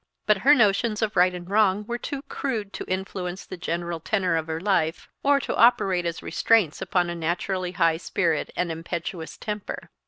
But her notions of right and wrong were too crude to influence the general tenor of her life, or operate as restraints upon a naturally high spirit and impetuous temper.